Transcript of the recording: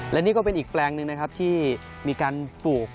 และนี่ก็เป็นอีกแปลงหนึ่งนะครับที่มีการปลูก